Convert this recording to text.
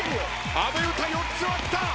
阿部詩４つ割った！